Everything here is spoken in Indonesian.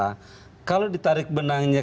karena kalau ditarik benangnya